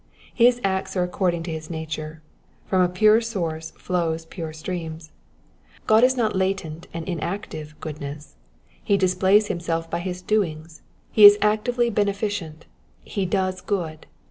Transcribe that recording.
His acts are according to his nature : from a pure source flow pure streams. God is not latent and inactive goodness ; he displays himself by his doings, he is actively beneficent, he does good.